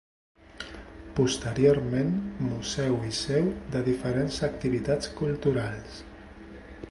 Posteriorment museu i seu de diferents activitats culturals.